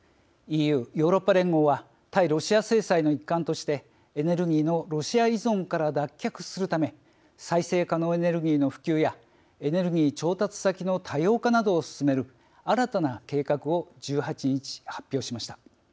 ＥＵ＝ヨーロッパ連合は対ロシア制裁の一環としてエネルギーのロシア依存からの脱却するため再生可能エネルギーの普及やエネルギー調達先の多様化などを進める新たな計画を１８日、発表しました。